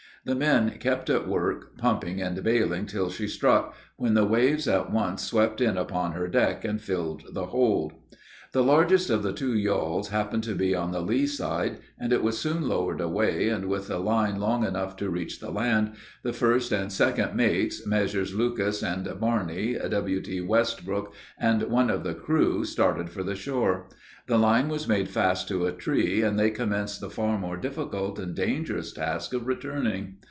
The men kept at work pumping and bailing till she struck, when the waves at once swept in upon her deck and filled the hold. The largest of the two yawls happened to be on the lee side, and it was soon lowered away, and with a line long enough to reach the land, the first and second mates, Messrs. Lucas and Barney, W.T. Westbrook, and one of the crew, started for the shore. The line was made fast to a tree, and they commenced the far more difficult and dangerous task of returning.